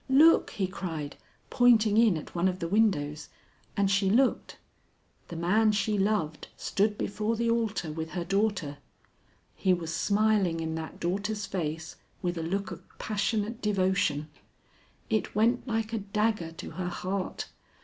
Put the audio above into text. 'Look!' he cried, pointing in at one of the windows, and she looked. The man she loved stood before the altar with her daughter. He was smiling in that daughter's face with a look of passionate devotion. It went like a dagger to her heart.